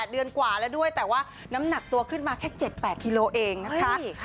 เดือนกว่าแล้วด้วยแต่ว่าน้ำหนักตัวขึ้นมาแค่๗๘กิโลเองนะคะ